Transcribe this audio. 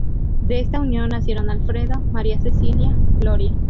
De esta unión nacieron Alfredo, María Cecilia, Gloria.